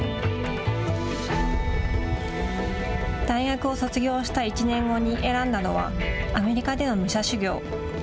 大学を卒業した１年後に選んだのはアメリカでの武者修行。